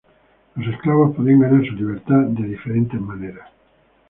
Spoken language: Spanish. Los esclavos podían ganar su libertad de diferentes modos.